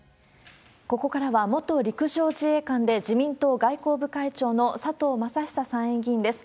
ここからは、元陸上自衛官で、自民党外交部会長の佐藤正久参議院議員です。